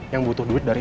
yang butuh duit dari lo